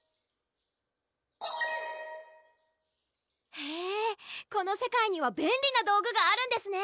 へぇこの世界には便利な道具があるんですねぇ！